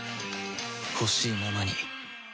ほしいままに